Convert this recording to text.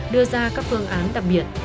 đưa ra các phương án đặc biệt